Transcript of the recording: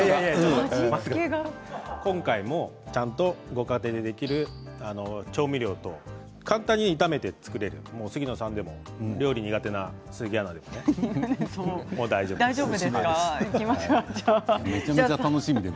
今回もご家庭でできる調味料と簡単に炒めて作れる杉野さんでも料理が苦手な鈴木アナでも。